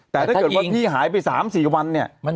แต่ถ้าเกิดว่าพี่หายไป๓๔วันเนี่ย